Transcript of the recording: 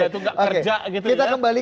itu nggak kerja gitu kita kembali